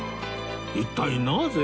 一体なぜ？